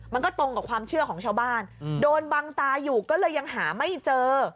มันก็ตรงกับความเชื่อของชาวบ้านโดนบังตาอยู่ก็เลยยังหาไม่เจอ